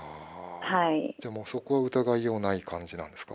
じゃあ、そこは疑いようない感じなんですか？